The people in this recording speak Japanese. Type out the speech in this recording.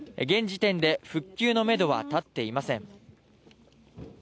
現時点で復旧のめどはたっていません。